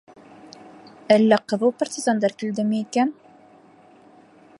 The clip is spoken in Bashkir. Әллә ҡыҙыл партизандар килдеме икән?